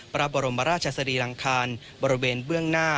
พระบรมราชสรีรังคารบริเวณเบื้องหน้า